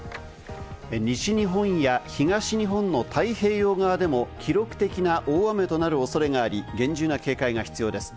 西日本や東日本の太平洋側でも記録的な大雨となる恐れがあり、厳重な警戒が必要です。